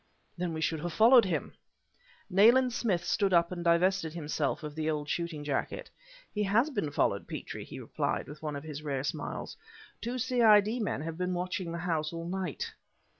"Then we should have followed him!" Nayland Smith stood up and divested himself of the old shooting jacket. "He has been followed, Petrie," he replied, with one of his rare smiles. "Two C.I.D. men have been watching the house all night!"